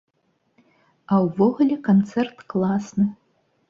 А ўвогуле, канцэрт класны.